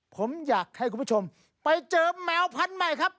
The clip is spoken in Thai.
ผมอยากให้คุณผู้ชมไปเจอแมวพันธุ์ใหม่ครับ